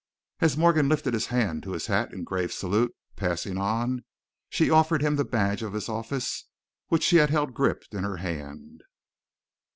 As Morgan lifted his hand to his hat in grave salute, passing on, she offered him the badge of his office which she had held gripped in her hand.